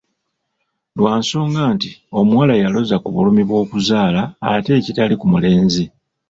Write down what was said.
Lwa nsonga nti, omuwala yaloza ku bulumi bw'okuzaala ate ekitali ku mulenzi.